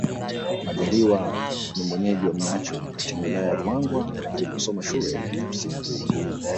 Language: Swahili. Majaliwa ni mwenyeji wa Mnacho katika Wilaya ya Ruangwa aliposoma shule ya msingi